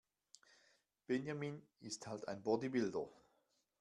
Benjamin ist halt ein Bodybuilder.